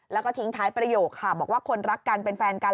แล้วก็ทิ้งท้ายประโยคค่ะบอกว่าคนรักกันเป็นแฟนกัน